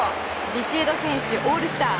ビシエド選手オールスター